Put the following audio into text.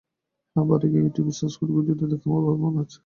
হ্যাঁ, বাড়ি গিয়ে ইউটিউবে সার্চ করে ভিডিওটা দেখতে হবে মনে হচ্ছে।